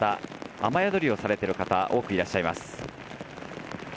雨宿りをされている方が多くいらっしゃいます。